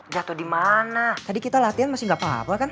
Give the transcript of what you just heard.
jatuh di mana tadi kita latihan masih gak apa apa kan